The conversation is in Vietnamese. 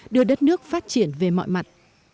đưa đất nước phát triển về mọi mặt